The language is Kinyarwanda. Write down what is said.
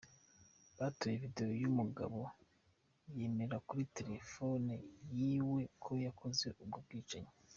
Batoye videwo y'umugabo yemera kuri telefone yiwe ko yakoze ubwo bwicanyi.